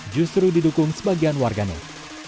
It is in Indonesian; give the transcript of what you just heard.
justru didukung sebagian warganet